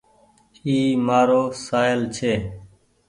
اي مآرو سآهيل ڇي